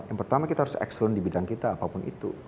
yang pertama kita harus excellent di bidang kita apapun itu